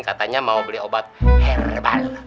katanya mau beli obat herbal